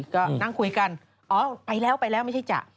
ก็นั่งคุยกันอ๋อไปแล้วไม่ใช่จ๊ะ